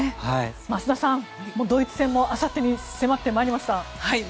増田さん、ドイツ戦もあさってに迫ってまいりました。